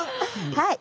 はい。